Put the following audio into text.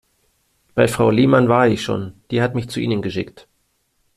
Bei Frau Lehmann war ich schon, die hat mich zu Ihnen geschickt.